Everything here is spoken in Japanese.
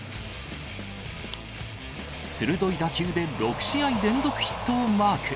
鋭い打球で、６試合連続ヒットをマーク。